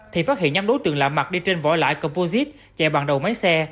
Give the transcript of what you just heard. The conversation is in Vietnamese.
thì phát hiện nhắm đối tượng lạ mặt đi trên vỏ lại composite chạy bằng đầu máy xe